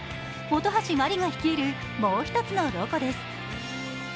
本橋麻里が率いるもう一つのロコです。